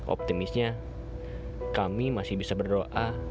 optimisnya kami masih bisa berdoa